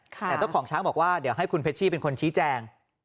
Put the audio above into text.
แต่เจ้าของช้างบอกว่าเดี๋ยวให้คุณเพชชี่เป็นคนชี้แจง